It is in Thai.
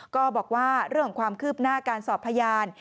ก็บอกว่าเรื่องของความคืบหน้าการสอบพยาน